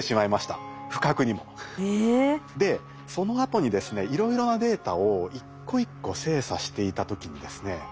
でそのあとにですねいろいろなデータを一個一個精査していた時にですね